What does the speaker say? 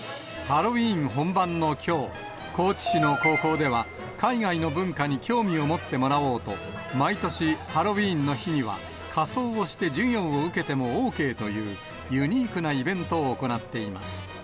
ハロウィーン本番のきょう、高知市の高校では、海外の文化に興味を持ってもらおうと、毎年、ハロウィーンの日には、仮装をして授業を受けてもＯＫという、ユニークなイベントを行っています。